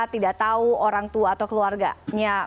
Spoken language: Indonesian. tidak tahu orang tua atau keluarganya